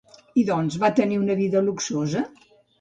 I doncs, va tenir una vida luxosa?